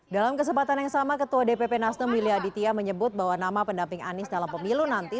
dalam kesempatan yang sama ketua dpp nasdem willy aditya menyebut bahwa nama pendamping anies dalam pemilu nanti